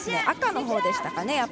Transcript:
赤のほうでしたかね。